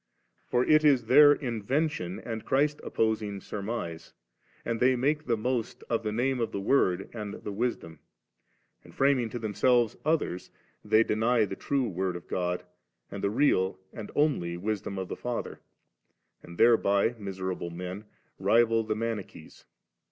For it is their in vention and Christ opposing surmise, and they make the most 7 of the name of the Word and the Wisdom ; and framing to themselves others, they deny the true Word of God, and the real and only Wisdom of the Father^ and thereby, miserable men, rival the Mani* chees.